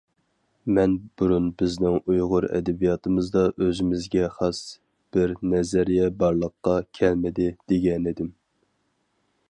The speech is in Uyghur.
مەن بۇرۇن بىزنىڭ ئۇيغۇر ئەدەبىياتىمىزدا ئۆزىمىزگە خاس بىر نەزەرىيە بارلىققا كەلمىدى دېگەنىدىم.